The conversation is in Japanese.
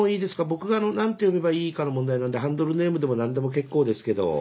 僕が何て呼べばいいかの問題なんでハンドルネームでも何でも結構ですけど。